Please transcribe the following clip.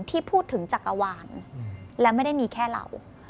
ที่พูดถึงจักรวาลและไม่ได้มีแค่เรา